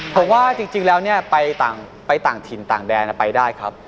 ผมว่าจริงแล้วเนี่ยไปต่างถิ่นต่างแดนไปได้ครับ